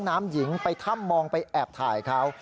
น้ำหญิงไปถ้ำมองไปแอบถ่ายเขา